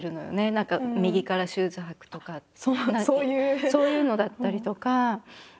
何か右からシューズ履くとかってそういうのだったりとか。